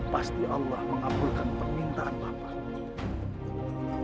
pasti allah mengabulkan permintaan bapak